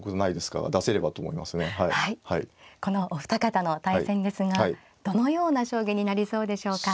このお二方の対戦ですがどのような将棋になりそうでしょうか。